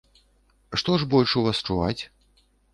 Што ж больш у вас чуваць?